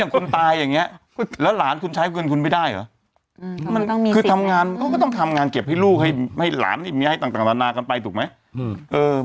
เขาก็ต้องทำงานเก็บให้ลูกให้หลานมีอะไรต่างต่างกันไปถูกไหม